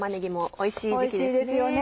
おいしいですよね。